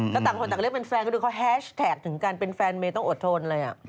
ก็ต่างเรียกเป็นแฟนก็ดูเขาแฮชแท็กถึงกัน